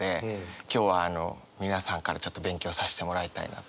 今日は皆さんからちょっと勉強させてもらいたいなと。